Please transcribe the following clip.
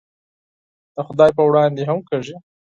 د خدای په وړاندې هم کېږي.